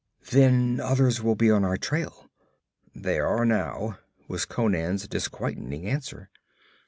'Then others will be on our trail?' 'They are now,' was Conan's disquieting answer.